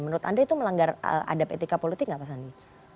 menurut anda itu melanggar adab etika politik nggak pak sandi